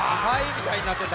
みたいになってた。